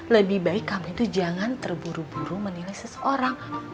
lebih baik kamu itu jangan terburu buru menilai seseorang